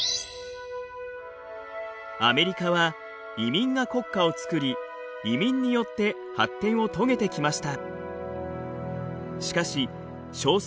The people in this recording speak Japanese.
アメリカは移民が国家を作り移民によって発展を遂げてきました。